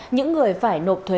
những người phải nộp thuế